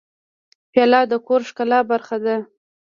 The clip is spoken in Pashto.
پیاله د کور د ښکلا برخه ده.